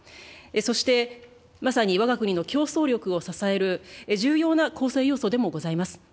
そして、まさにわが国の競争力を支える重要な構成要素でもございます。